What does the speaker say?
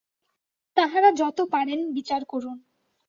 তাঁহারা যত পারেন বিচার করুন।